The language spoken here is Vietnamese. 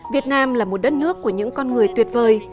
việt nam là một đất nước của những con người tuyệt vời